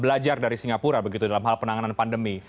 belajar dari singapura begitu dalam hal penanganan pandemi